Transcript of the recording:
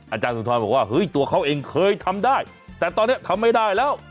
อาจารย์สุนทรบอกว่าเฮ้ยตัวเขาเองเคยทำได้แต่ตอนนี้ทำไม่ได้แล้ว